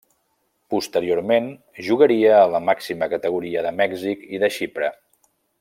Posteriorment, jugaria a la màxima categoria de Mèxic i de Xipre.